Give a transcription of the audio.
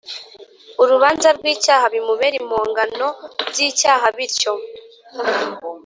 Urubanza rw icyaha bimubere imponganob y icyaha bityo